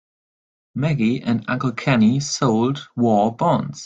Maggie and Uncle Kenny sold war bonds.